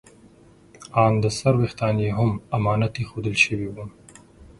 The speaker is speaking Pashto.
ان د سر ویښتان یې هم امانت ایښودل شوي وو.